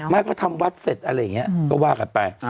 ไม่ก็ทำวัดเสร็จอะไรอย่างนี้ก็ว่ากันไป